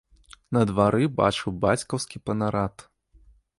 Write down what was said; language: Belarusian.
На двары бачыў бацькаўскі панарад.